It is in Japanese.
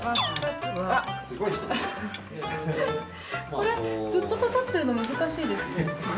これ、ずっと刺さってるの難しいですね。